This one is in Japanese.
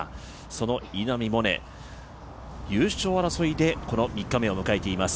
その稲見萌寧、優勝争いでこの３日目を迎えています。